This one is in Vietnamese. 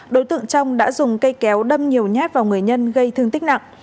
đối tượng trong đã dùng cây kéo đâm nhiều nhát vào người nhân gây thương tích nặng